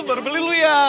baru beli lo ya